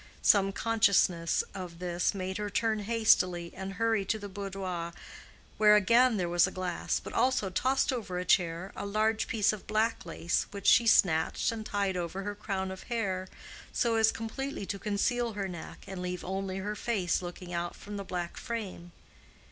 Some consciousness of this made her turn hastily and hurry to the boudoir, where again there was a glass, but also, tossed over a chair, a large piece of black lace which she snatched and tied over her crown of hair so as completely to conceal her neck, and leave only her face looking out from the black frame.